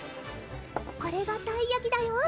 これがたいやきだよ